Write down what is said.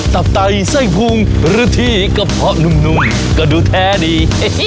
ตับไตไส้พุงหรือที่กระเพาะนุ่มก็ดูแท้ดี